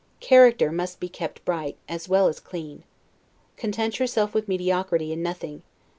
Character must be kept bright, as well as clean. Content yourself with mediocrity in nothing.